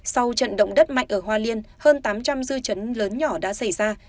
sau trận động đất mạnh ở hoa liên hơn tám trăm linh dư chấn lớn nhỏ đã xảy ra